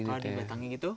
kalau dibatangin itu